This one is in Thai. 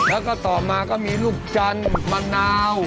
แล้วก็ต่อมาก็มีลูกจันทร์มะนาว